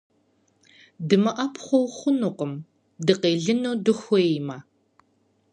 ДымыӀэпхъуэу хъунукъым, дыкъелыну дыхуеймэ.